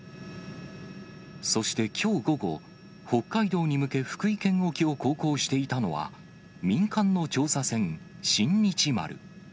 そしてきょう午後、北海道に向け、福井県沖を航行していたのは、民間の調査船、新日丸。